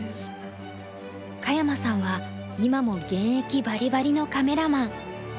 香山さんは今も現役バリバリのカメラマン。